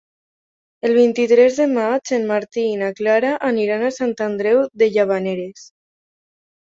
El vint-i-tres de maig en Martí i na Clara aniran a Sant Andreu de Llavaneres.